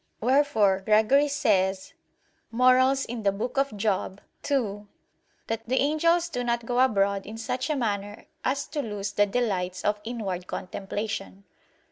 Wherefore Gregory says (Moral. ii) that "the angels do not go abroad in such a manner as to lose the delights of inward contemplation."